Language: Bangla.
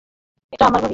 এটা আমার বাড়ি।